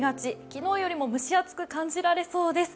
昨日よりも蒸し暑く感じられそうです。